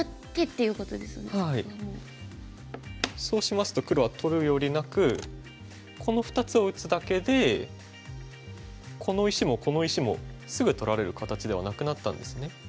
そうしますと黒は取るよりなくこの２つを打つだけでこの石もこの石もすぐ取られる形ではなくなったんですね。